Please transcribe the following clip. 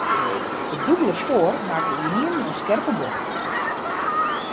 It dûbelde spoar makke ynienen in skerpe bocht.